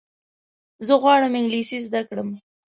زه غواړم انګلیسي زده کړم.